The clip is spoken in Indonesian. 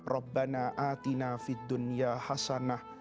rabbana atina fid dunya hasanah